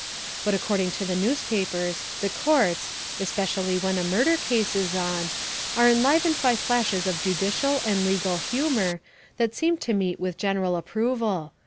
But according to the newspapers the courts, especially when a murder case is on, are enlivened by flashes of judicial and legal humour that seem to meet with general approval.